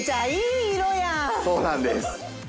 そうなんです。